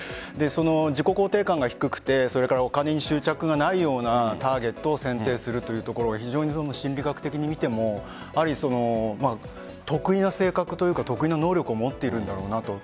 自己肯定感が低くてお金に執着がないようなターゲットを選定するというところが非常に、心理学的に見ても特異な性格というか特異な能力を持っているんだなと。